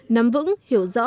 nắm vững hiểu rõ